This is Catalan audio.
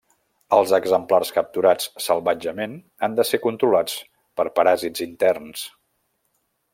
Els exemplars capturats salvatgement han de ser controlats per paràsits interns.